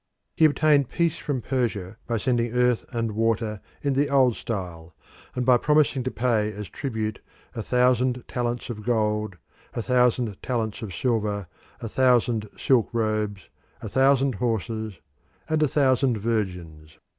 He obtained peace from Persia by sending earth and water in the old style, and by promising to pay as tribute a thousand talents of gold, a thousand talents of silver, a thousand silk robes, a thousand horses, and a thousand virgins.